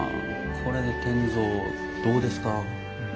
これで転造どうですか？